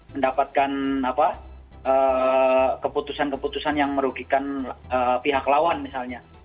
mendapatkan keputusan keputusan yang merugikan pihak lawan misalnya